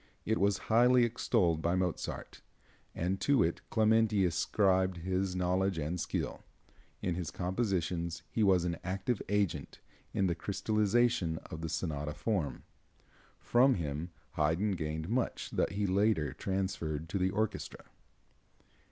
It was highly extolled by Mozart, and to it Clementi ascribed his knowledge and skill. In his compositions he was an active agent in the crystallization of the sonata form. From him Haydn gained much that he later transferred to the orchestra.